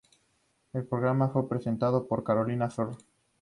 El programa fue presentado por Carolina Ferre.